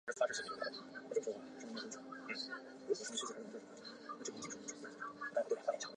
乐山铺地蜈蚣为蔷薇科铺地蜈蚣属下的一个种。